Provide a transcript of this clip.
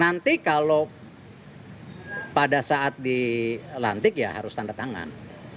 nanti kalau pada saat dilantik ya harus tanda tangan